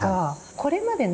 これまでね